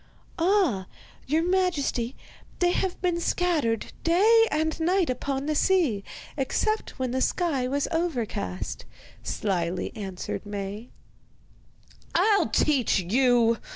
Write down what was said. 'Ah, your majesty, they have been scattered day and night upon the sea, except when the sky was overcast,' slyly answered Maie. 'I'll teach you!